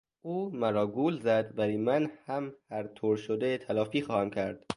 او مرا گول زد ولی من هم هر طور شده تلافی خواهم کرد.